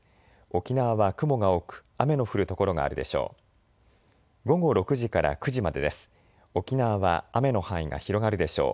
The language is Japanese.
沖縄は雲が多く雨の降る所があるでしょう。